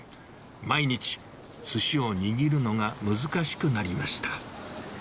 毎日、すしを握るのが難しくなりました。